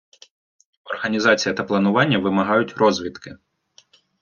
Організація та планування вимагають розвідки.